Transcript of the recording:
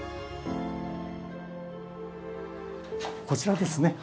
こちらですね。